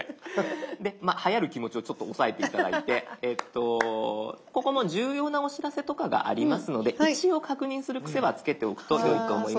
はやる気持ちをちょっと抑えて頂いてここの「重要なお知らせ」とかがありますので一応確認する癖はつけておくとよいと思います。